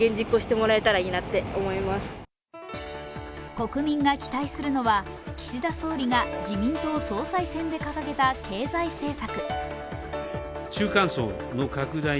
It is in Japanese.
国民が期待するのは岸田総理が自民党総裁選で掲げた経済政策。